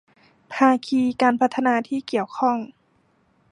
ภาคีการพัฒนาที่เกี่ยวข้อง